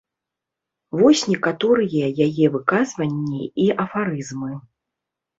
Вось некаторыя яе выказванні і афарызмы.